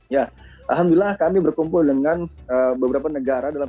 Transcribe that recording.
ya alhamdulillah kami berkumpul dengan beberapa negara